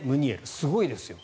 すごいですよ。